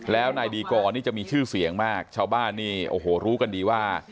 แล้วนายดีกรนี่จะมีชื่อเสียงมากชาวบ้านนี่โอ้โหรู้กันดีว่า